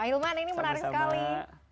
ahilman ini menarik sekali